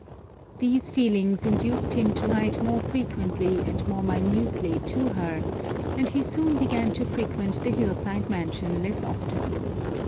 These feelings induced him to write more frequently and more minutely to her, and he soon began to frequent the hill side mansion less often.